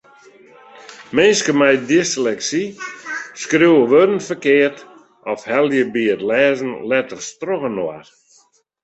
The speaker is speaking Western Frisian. Minsken mei dysleksy skriuwe wurden ferkeard of helje by it lêzen letters trochinoar.